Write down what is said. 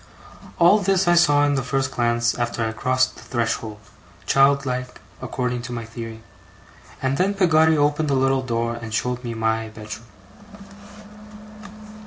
All this I saw in the first glance after I crossed the threshold child like, according to my theory and then Peggotty opened a little door and showed me my bedroom.